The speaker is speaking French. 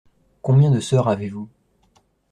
Combien de sœurs avez-vous ?